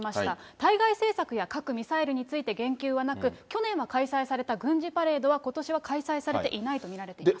対外政策や核・ミサイルについて言及はなく、去年は開催された軍事パレードはことしは開催されていないと見られています。